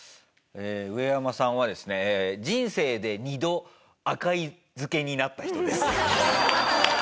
ウエヤマさんはですね人生で二度赤井漬けになった人です。